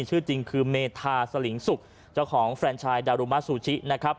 ชื่อจริงคือเมทาสลิงสุกเจ้าของแฟรนด์ชายดารุมัสสูชิ